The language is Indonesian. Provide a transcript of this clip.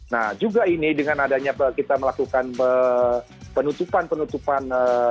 nah juga ini dengan adanya kita melakukan penutupan penutupan